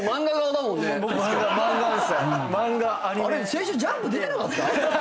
先週『ジャンプ』出てなかった？